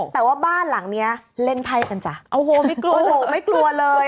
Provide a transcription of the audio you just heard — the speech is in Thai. แต่ว่าบ้านหลังเนี้ยเล่นไพ่กันจ้ะโอ้โหไม่กลัวโหไม่กลัวเลย